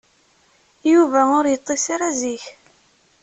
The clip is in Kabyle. Yuba ur yeṭṭis ara zik.